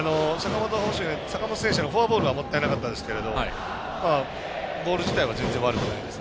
坂本選手へのフォアボールがもったいなかったですがボール自体は全然悪くないです。